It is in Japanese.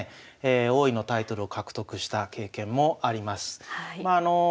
王位のタイトルを獲得した経験もあります。